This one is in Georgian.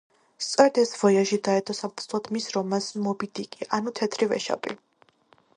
სწორედ ეს ვოიაჟი დაედო საფუძვლად მის რომანს „მობი–დიკი, ანუ თეთრი ვეშაპი“.